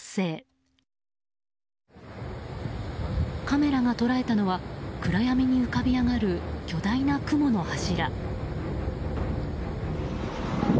カメラが捉えたのは暗闇に浮かび上がる巨大な雲の柱。